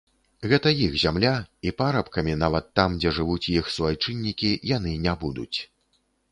Гэта іх зямля, і парабкамі, нават там, дзе жывуць іх суайчыннікі, яны не будуць.